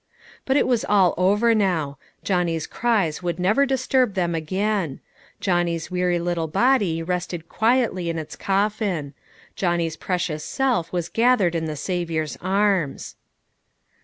But it was all over now: Johnny's cries would never disturb them again; Johnny's weary little body rested quietly in its coffin; Johnny's precious self was gathered in the Saviour's arms.